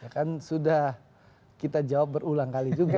kan sudah kita jawab berulang kali juga